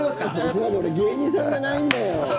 すいません俺、芸人さんじゃないんだよ。